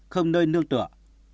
không nơi nương tựa